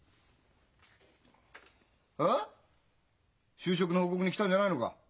就職の報告に来たんじゃないのか？